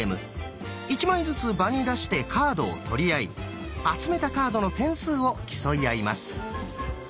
１枚ずつ場に出してカードを取り合い集めたカードの点数を競い合います。